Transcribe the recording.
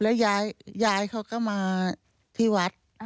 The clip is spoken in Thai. แล้วยายเขาก็มาที่วัด